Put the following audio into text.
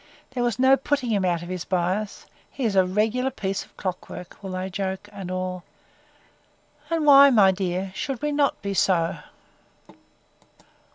There is no putting him out of his bias. He is a regular piece of clock work, they will joke, and all that: And why, my dear, should we not be so?